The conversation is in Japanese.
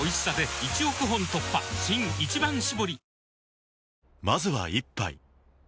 新「一番搾り」